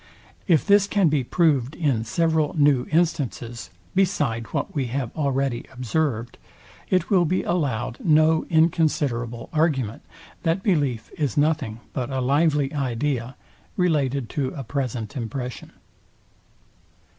If this can be proved in several new instances, beside what we have already observed, it will be allowed no inconsiderable argument, that belief is nothing but a lively idea related to a present impression.